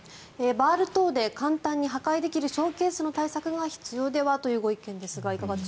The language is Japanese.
バール等で簡単に破壊できるショーケースの対策が必要ではというご意見ですが。